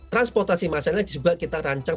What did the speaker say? transportasi masalah juga kita rancang